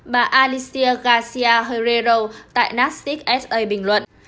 bà alicia garcia herrero tại nasdaq sa bình luận